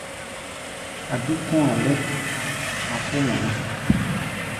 A̧ dúk kɔ̧́-a̧ lɛ́p, a̧ fó mɔ ná.